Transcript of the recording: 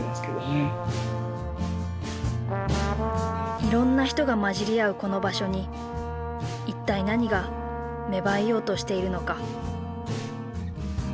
いろんな人がまじり合うこの場所に一体何が芽生えようとしているのか。